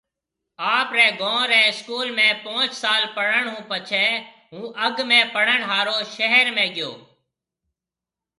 آپري گوم ري اسڪول ۾ پونچ سال پڙهڻ هُون پڇي هَون اڳ ۾ پڙهڻ هارو شهر ۾ گيو